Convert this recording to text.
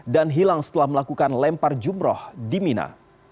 dan hilang setelah melakukan lempar jumroh di mina